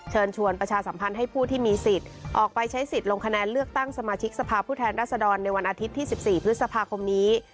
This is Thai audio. เชิญชวนประชาสัมพันธ์ให้ผู้ที่มีสิทธิ์ออกไปใช้สิทธิ์ลงคะแนนเลือกตั้งสมาชิกสภาพผู้แทนรัศดรในวันอาทิตย์ที่๑๔พฤษภาคมนี้